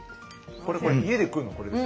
これ家で食うのこれです。